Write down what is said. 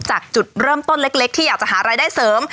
จุดเริ่มต้นเล็กที่อยากจะหารายได้เสริม